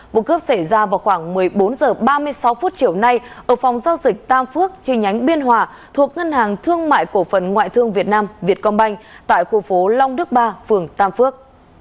vụ cướp xảy ra vào khoảng một mươi bốn h ba mươi sáu phút chiều nay ở phòng giao dịch tam phước chi nhánh biên hòa thuộc ngân hàng thương mại cổ phần ngoại thương việt nam vietcombank tại khu phố long đức ba phường tam phước